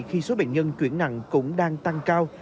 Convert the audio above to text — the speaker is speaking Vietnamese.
khi số bệnh nhân chuyển nặng cũng đang tăng cao